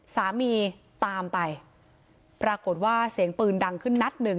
สามีตามไปปรากฏว่าเสียงปืนดังขึ้นนัดหนึ่ง